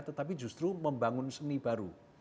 tetapi justru membangun seni baru